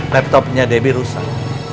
laptopnya debbie rusak